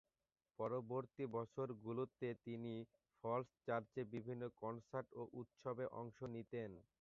পরবর্তী বছরগুলোতে তিনি ফলস চার্চে বিভিন্ন কনসার্ট ও উৎসবে অংশ নিতেন।